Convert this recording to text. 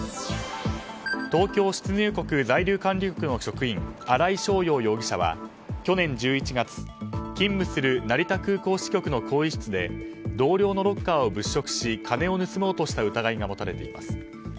東京出入国在留管理局の職員新井翔陽容疑者は去年１１月勤務する成田空港支局の更衣室で同僚のロッカーを物色し金を盗もうとした疑いが持たれています。